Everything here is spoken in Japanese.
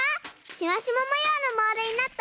シマシマもようのモールになった！